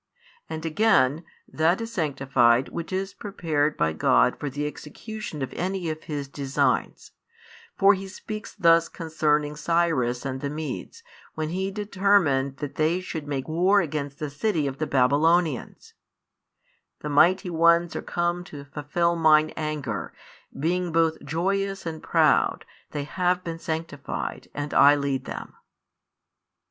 And again, that is sanctified which is prepared by God for the execution of any of His designs, for He speaks thus concerning Cyrus and the Medes, when He determined that they should make war against the city of the Babylonians; The mighty ones are come to fulfil Mine anger, being both joyous and proud; they have been sanctified, and I lead them.